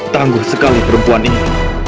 tangguh sekali perempuan ini